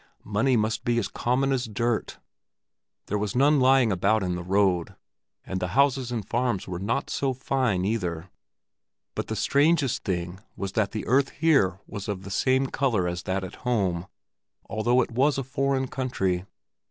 Money must be as common as dirt! There was none lying about in the road, and the houses and farms were not so very fine either. But the strangest thing was that the earth here was of the same color as that at home, although it was a foreign country.